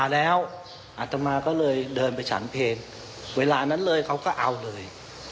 แล้วอัตมาก็เลยเดินไปฉันเพลงเวลานั้นเลยเขาก็เอาเลย